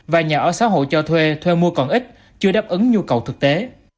và nhà ở xã hội cho thuê thuê mua còn ít chưa đáp ứng nhu cầu thực tế